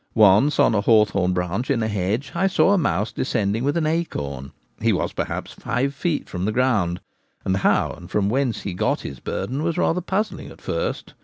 Once on a hawthorn branch in a hedge I saw a mouse descending with an acorn ; he was, perhaps, five feet from the ground, and how and from whence he had got his burden was rather puzzling at first.